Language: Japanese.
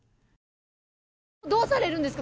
どうされるんですか？